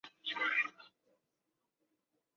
乞伏干归便把乞伏炽磐等人送到西平。